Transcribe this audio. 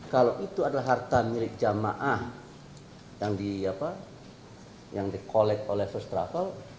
kalau itu adalah harta milik jamaah yang di collect oleh first travel